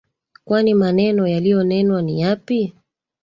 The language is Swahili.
Kwani maneno yaliyonenwa ni yapi?